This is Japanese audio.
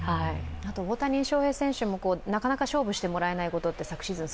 大谷翔平選手もなかなか勝負してもらえないことって昨シーズン